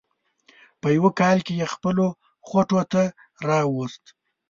په یوه کال کې یې خپلو خوټو ته راوست.